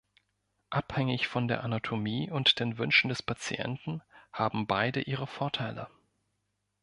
Abhängig von der Anatomie und den Wünschen des Patienten haben beide ihre Vorteile.